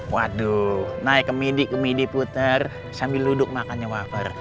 waduh naik ke midi ke midi putar sambil duduk makannya wafer